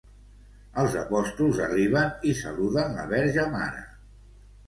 Els apòstols arriben i saluden la Verge Mare.